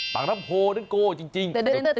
ปากน้ำโพนั่นโก้จริง